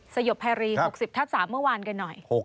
สยบภัยรี๖๐ทับ๓เมื่อวานกันหน่อย